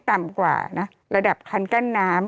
โทษทีน้องโทษทีน้อง